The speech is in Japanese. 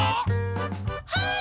はい！